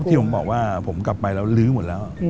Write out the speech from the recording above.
ที่ผมบอกว่าผมกลับไปแล้วลื้อหมดแล้ว